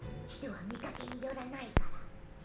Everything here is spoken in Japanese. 人は見かけによらないから。